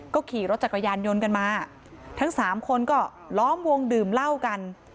ก็ขี่รถจักรยานยนต์กันมาทั้งสามคนก็ล้อมวงดื่มเหล้ากัน